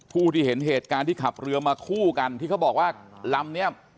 ผู้ที่เห็นเหตุการณ์ที่ขับเรือมาคู่กันที่เขาบอกว่าลำนี้